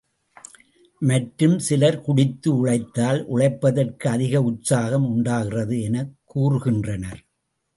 மற்றும் சிலர் குடித்து உழைத்தால் உழைப்பதற்கு அதிக உற்சாகம் உண்டாகிறது எனக் கூறுகின்றனர்.